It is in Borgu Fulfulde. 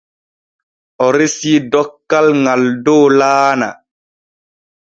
O resii dokkal ŋal dow laana.